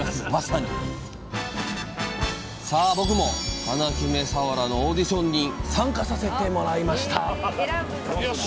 僕も華姫さわらのオーディションに参加させてもらいましたよし！